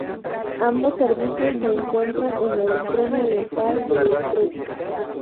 Ambos servicios se encuentra en el extremo oriental del estrecho.